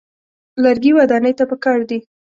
لرګي ودانۍ ته پکار دي.